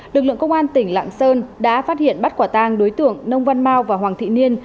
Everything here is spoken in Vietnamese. lực lượng công an tỉnh lạng sơn đã phát hiện bắt quả tang đối tượng nông văn mau và hoàng thị niên